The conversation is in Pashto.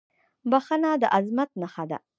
• بښنه د عظمت نښه ده.